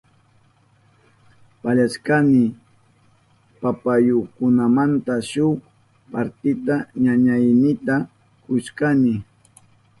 Pallashkayni papayukunamanta shuk partita ñañaynita kushkani.